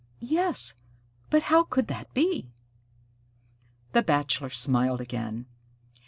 "Yes, but how could that be?" The Bachelor smiled again.